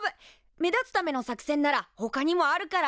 目立つための作戦ならほかにもあるから。